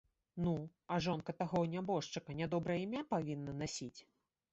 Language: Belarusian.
Ну, а жонка таго нябожчыка нядобрае імя павінна насіць?